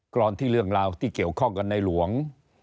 รอนที่เรื่องราวที่เกี่ยวข้องกับในหลวง